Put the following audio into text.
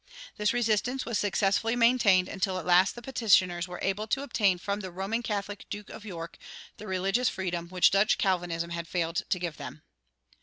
This resistance was successfully maintained until at last the petitioners were able to obtain from the Roman Catholic Duke of York the religious freedom which Dutch Calvinism had failed to give them.